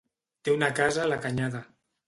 Té una casa a la Canyada.